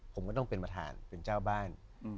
ผมก็ต้องเป็นประธานเป็นเจ้าบ้าน